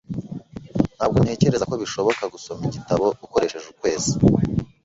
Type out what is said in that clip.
Ntabwo ntekereza ko bishoboka gusoma igitabo ukoresheje ukwezi.